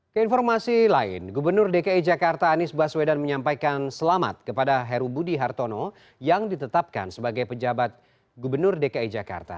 keinformasi lain gubernur dki jakarta anies baswedan menyampaikan selamat kepada heru budi hartono yang ditetapkan sebagai pejabat gubernur dki jakarta